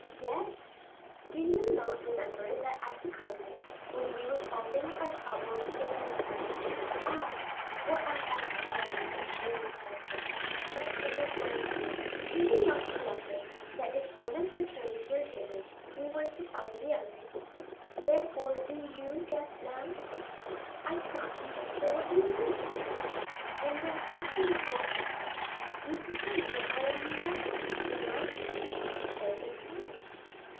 "Yes; do you not remember that at the convent, when we were solving our problems in arithmetic ah! what I have to tell you is learned also, but it is my turn do you not remember, that if one of the terms were given, we were to find the other? Therefore do you guess now?" "I cannot conjecture what you mean." "And yet nothing is more simple. You pretend that I am in love, do you not?" "So it is said."